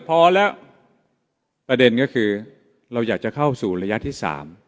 พอแล้วประเด็นก็คือเราอยากจะเข้าสู่ระยะที่๓